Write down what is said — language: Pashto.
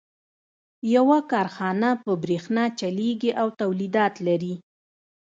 يوه کارخانه په برېښنا چلېږي او توليدات لري.